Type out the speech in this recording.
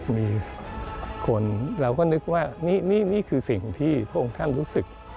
มีคนเราก็นึกว่านี่คือสิ่งที่พระองค์ท่านรู้สึก